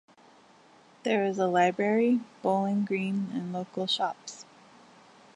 There is a library, bowling green and local shops.